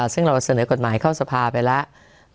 ซึ่งเราเสนอกฎหมายเข้าสภาไปแล้ว